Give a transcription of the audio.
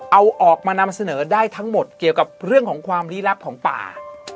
เอาออกมานำเสนอได้ทั้งหมดเกี่ยวกับเรื่องของความลี้ลับของป่า